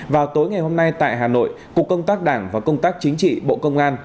vào tối ngày hôm nay tại hà nội cục công tác đảng và công tác chính trị bộ công an